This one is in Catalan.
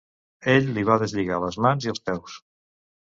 Ell li va deslligar les mans i els peus.